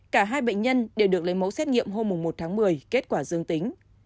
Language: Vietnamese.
cả hai bệnh nhân đều được lấy mẫu xét nghiệm hôm một tháng một mươi kết quả dương tính